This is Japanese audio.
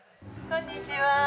こんにちは。